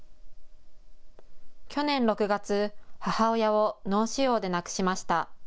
去年６月、母親を脳腫瘍で亡くしました。